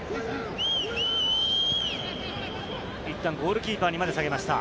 いったんゴールキーパーにまで下げました。